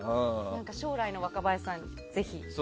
将来の若林さんにぜひ。